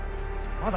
まだ。